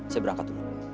saya berangkat dulu